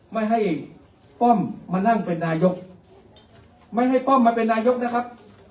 ไม่ให้ป้อมมานั่งเป็นนายกไม่ให้ป้อมมาเป็นนายกนะครับ